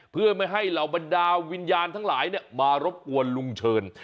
เพื่อไม่ให้เหล่าบรรดาวิญญาณทั้งหลายมารบกวนลุงเชิญ